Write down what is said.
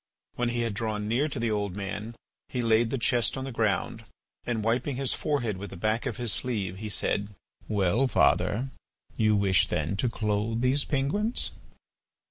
When he had drawn near to the old man he laid the chest on the ground and wiping his forehead with the back of his sleeve, he said: "Well, father, you wish then to clothe these penguins?"